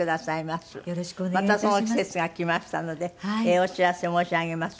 またその季節が来ましたのでお知らせ申し上げます。